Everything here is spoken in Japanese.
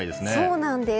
そうなんです。